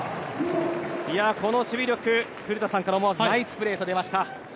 この守備力、古田さんから思わずナイスプレーと出ました。